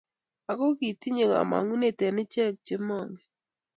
ango kitunye kamonut eng icheek ko mongen